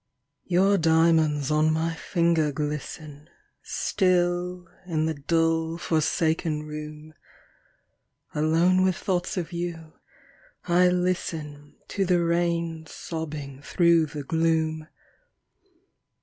Your diamonds on my finger glisten, Still, in the dull, forsaken room ; Alone with thoughts of you, I listen To the rain sobbing through the gloom.